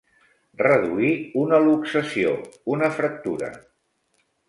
Reduir una luxació, una fractura.